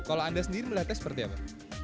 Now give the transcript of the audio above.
kalau anda sendiri melihatnya seperti apa